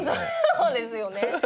そうですよね。